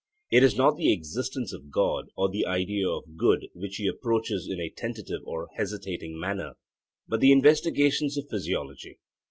It is not the existence of God or the idea of good which he approaches in a tentative or hesitating manner, but the investigations of physiology.